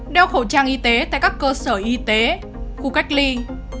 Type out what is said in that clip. đeo khẩu trang y tế tại các cơ sở y tế khu cách ly